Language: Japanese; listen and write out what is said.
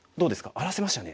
荒らせましたね。